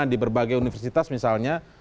di berbagai universitas misalnya